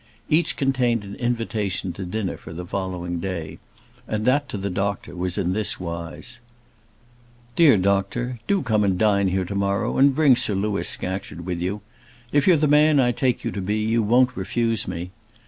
Each contained an invitation to dinner for the following day; and that to the doctor was in this wise: DEAR DOCTOR, Do come and dine here to morrow, and bring Sir Louis Scatcherd with you. If you're the man I take you to be, you won't refuse me.